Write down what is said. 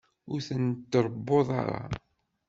Ur ten-tṛewwuḍ ara.